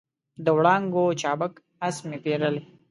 د وړانګو چابک آس مې پیرلی